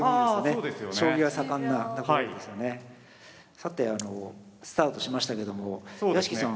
さてスタートしましたけども屋敷さん。